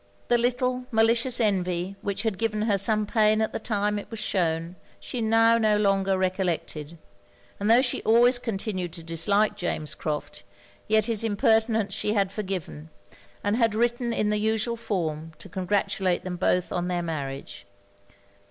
The little, malicious envy which had given her some pain at the time it was shewn, she now no longer recollected; and tho' she always continued to dislike James Crofts, yet his impertinence she had forgiven, and had written in the usual form to congratulate them both on their marriage.